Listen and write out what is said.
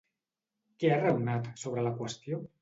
Què ha raonat sobre la qüestió?